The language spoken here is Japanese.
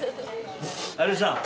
有吉さん